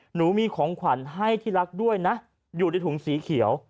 หนูมีของขวัญให้ที่รักด้วยนะอยู่ในถุงสีเขียว